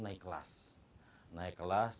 naik kelas naik kelas